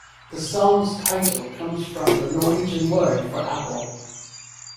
The song's title comes from the Norwegian word for apple.